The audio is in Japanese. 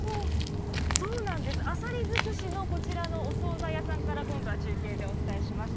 あさり尽くしのこちらのお総菜屋さんから今度は中継でお伝えします。